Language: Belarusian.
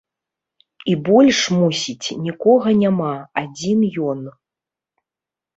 І больш, мусіць, нікога няма, адзін ён.